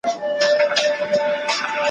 هم ګیله من یو له نصیب هم له انسان وطنه ,